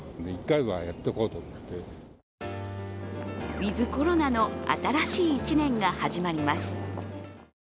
ウィズ・コロナの新しい１年が始まります。